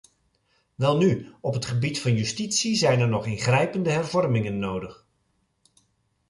Welnu, op het gebied van justitie zijn er nog ingrijpende hervormingen nodig.